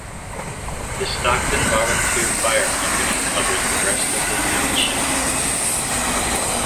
The Stockton Volunteer Fire Company covers the rest of the township.